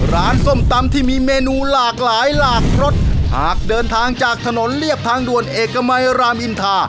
ส้มตำที่มีเมนูหลากหลายหลากรสหากเดินทางจากถนนเรียบทางด่วนเอกมัยรามอินทา